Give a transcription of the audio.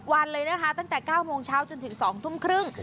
วันเลยนะคะตั้งแต่๙โมงเช้าจนถึง๒ทุ่มครึ่ง